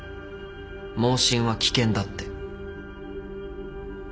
妄信は危険だって。